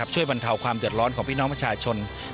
บรรเทาความเดือดร้อนของพี่น้องประชาชน